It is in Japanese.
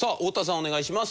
お願いします。